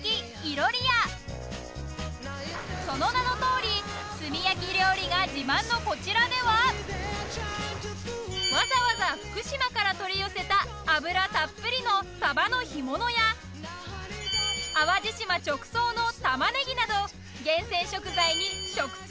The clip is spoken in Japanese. その名のとおり炭焼料理が自慢のこちらではわざわざ福島から取り寄せた脂たっぷりの鯖の干物や淡路島直送の玉ねぎなど厳選食材に食通